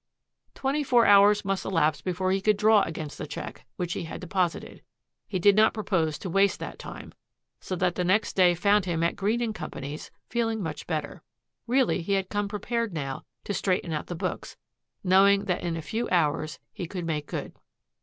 Twenty four hours must elapse before he could draw against the check which he had deposited. He did not propose to waste that time, so that the next day found him at Green & Co.'s, feeling much better. Really he had come prepared now to straighten out the books, knowing that in a few hours he could make good.